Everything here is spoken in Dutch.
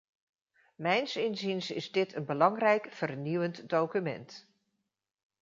Mijns inziens is dit een belangrijk vernieuwend document.